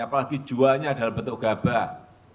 apalagi jualnya dalam bentuk gabah